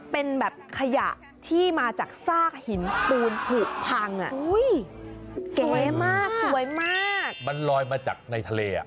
เป็นแบบขยะที่มาจากซากหินปูนผูกพังสวยมากมันลอยมาจากในทะเล